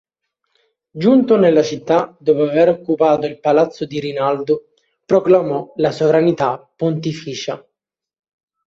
Giunto nella città, dopo aver occupato il palazzo di Rinaldo, proclamò la sovranità pontificia.